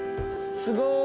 すごい！